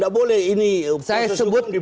dibangun dengan asumsi asumsi